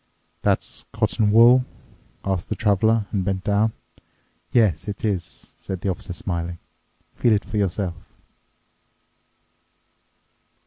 "That's cotton wool?" asked the Traveler and bent down. "Yes, it is," said the Officer smiling, "feel it for yourself."